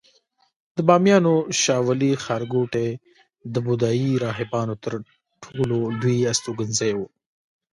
د بامیانو شاولې ښارګوټی د بودایي راهبانو تر ټولو لوی استوګنځای و